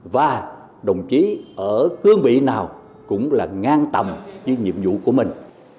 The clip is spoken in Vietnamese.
và đồng chí ở cương vị nào cũng là ngang tầm với nhiệm vụ của mình